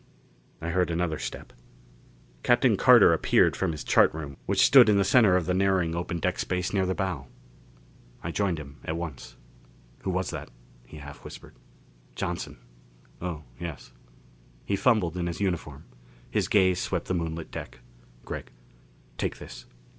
I heard another step. Captain Carter appeared from his chart room which stood in the center of the narrowing open deck space near the bow. I joined him at once. "Who was that?" he half whispered. "Johnson." "Oh, yes." He fumbled in his uniform; his gaze swept the moonlit deck. "Gregg take this."